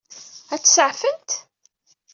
Ad t-saɛfent?